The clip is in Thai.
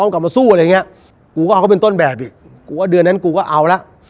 ก็ไม่เป็นต้นแบบอีกกูว่าเดือนนั้นกูก็เอาละ